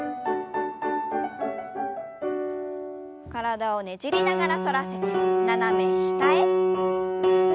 体をねじりながら反らせて斜め下へ。